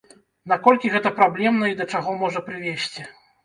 Наколькі гэта праблемна, і да чаго можа прывесці?